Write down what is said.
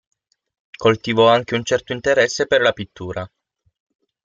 Coltivò anche un certo interesse per la pittura.